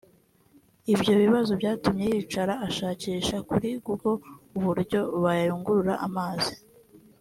Ibyo bibazo byatumye yicara ashakisha kuri google uburyo bayungurura amazi